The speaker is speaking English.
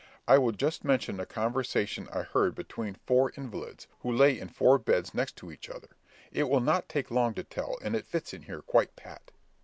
I will just mention a conversation I heard between four invalids, who lay in four beds next each other. It will not take long to tell, and it fits in here quite pat.